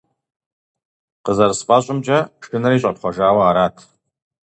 КъызэрысфӀэщӀымкӀэ, шынэри щӀэпхъуэжауэ арат.